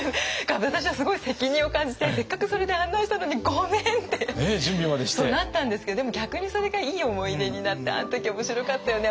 私はすごい責任を感じてせっかくそれで案内したのにごめんってなったんですけどでも逆にそれがいい思い出になってあの時面白かったよね